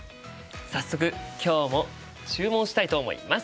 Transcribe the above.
早速今日も注文したいと思います！